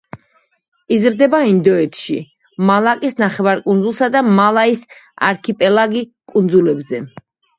იზრდება ინდოეთში, მალაკის ნახევარკუნძულსა და მალაის არქიპელაგი კუნძულებზე.